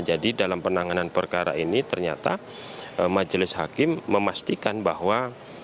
jadi dalam penanganan perkara ini ternyata majelis hakim memastikan bahwa